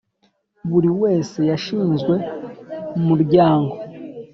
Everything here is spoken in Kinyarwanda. buri wese yashizwe mu rwango;